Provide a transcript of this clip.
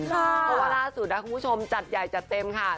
เพราะว่าล่าสุดนะคุณผู้ชมจัดใหญ่จัดเต็มค่ะ